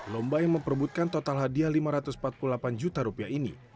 lomba yang memperbutkan total hadiah lima ratus empat puluh delapan juta rupiah ini